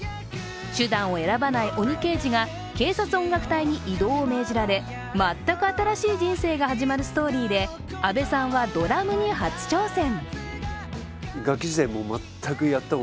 手段を選ばない鬼刑事が警察音楽隊に異動を命じられ全く新しい人生が始まるストーリーで、阿部さんはドラムに初挑戦。